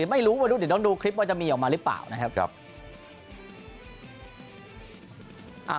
ไม่รู้ต้องดูคลิปว่าจะมีออกมาหรือเปล่า